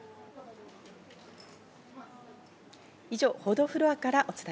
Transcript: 以上、報道フロアからお伝え